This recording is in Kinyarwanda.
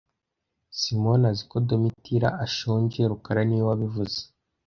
Simoni azi ko Domitira ashonje rukara niwe wabivuze